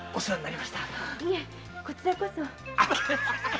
いえこちらこそ。